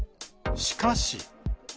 しかし。